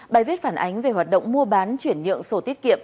bài viết phản ánh về hoạt động mua bán chuyển nhượng sổ tiết kiệm